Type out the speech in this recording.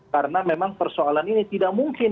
karena memang persoalan ini tidak mungkin